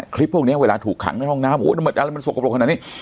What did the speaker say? คลิปพวกนี้เวลาถูกขังในห้องน้ำอะไรมันสกปรกขนาดนี้